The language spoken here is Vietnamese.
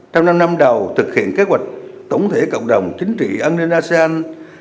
trong năm đầu thực hiện kế hoạch tổng thể cộng đồng chính trị an ninh asean hai nghìn hai mươi năm